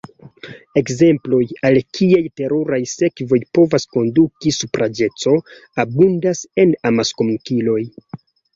Ekzemploj, al kiaj teruraj sekvoj povas konduki supraĵeco, abundas en amaskomunikiloj.